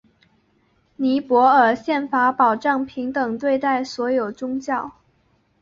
尼泊尔宪法保障平等对待所有宗教。